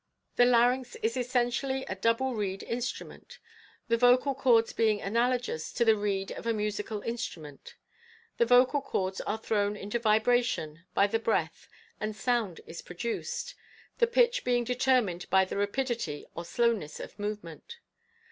The larynx is essentially a double reed instrument, the vocal cords being analogous to the reed of a musical instrument. The vocal cords are thrown into vibration hy the breath and sound is produced, the pitch being determined by the rapidity or slowness of movement.